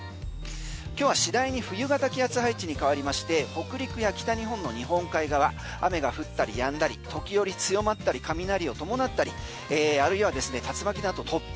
今日は次第に冬型気圧配置に変わりまして北陸や北日本の日本海側雨が降ったりやんだり時折、強まったり雷を伴ったりあるいは竜巻と突風。